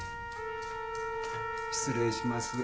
失礼します。